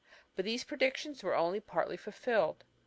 But these predictions were only partly fulfilled.